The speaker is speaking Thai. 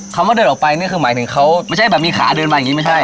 ว่าเดินออกไปนี่คือหมายถึงเขาไม่ใช่แบบมีขาเดินมาอย่างนี้ไม่ใช่